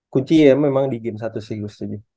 kunci ya memang di game satu sih gue setuju